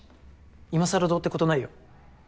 今さらどうってことないよ。